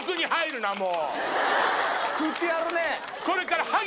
これから。